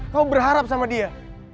kamu berharap sama dia